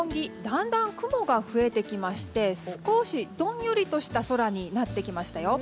だんだん雲が増えてきまして少しどんよりとした空になってきましたよ。